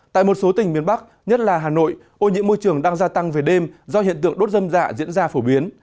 tại một số tỉnh miền bắc nhất là hà nội ô nhiễm môi trường đang gia tăng về đêm do hiện tượng đốt dâm dạ diễn ra phổ biến